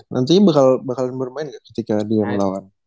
nantinya bakalan bermain nggak ketika dia melawan